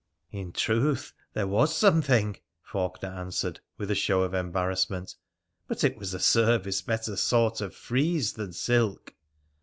' In truth there was something,' Faulkener answered, with a show of embarrassment, ' but it was a service better Bought of frieze than silk.'